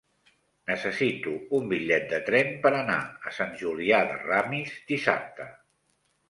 Necessito un bitllet de tren per anar a Sant Julià de Ramis dissabte.